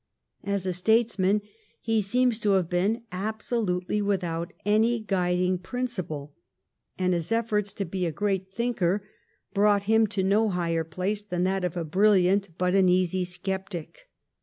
As a statesman he seems to have been absolutely without any guiding principle, and his efforts to be a great thinker 60 THE REIGN OF QUEEN ANNE. oh. xxiv. brought him to no higher place than that of a brilliant but an easy sceptic.